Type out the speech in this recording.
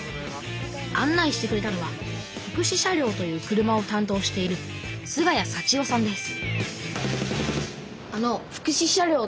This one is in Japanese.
案内してくれたのは福祉車両という車をたん当している菅谷祥生さんです